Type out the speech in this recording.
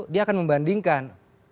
dia akan membandingkan